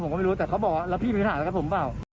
ผมก็ไม่รู้แต่เขาบอกว่าแล้วพี่มีปัญหาแล้วครับผม